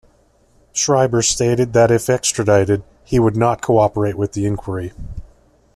Schreiber stated that if extradited, he would not cooperate with the inquiry.